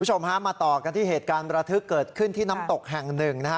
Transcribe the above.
คุณผู้ชมฮะมาต่อกันที่เหตุการณ์ประทึกเกิดขึ้นที่น้ำตกแห่งหนึ่งนะฮะ